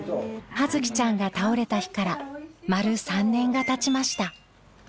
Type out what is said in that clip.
葉月ちゃんが倒れた日から丸３年が経ちました。